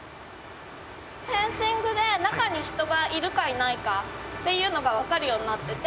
センシングで中に人がいるかいないかっていうのがわかるようになっていて。